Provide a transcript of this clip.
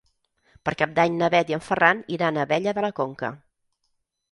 Per Cap d'Any na Bet i en Ferran iran a Abella de la Conca.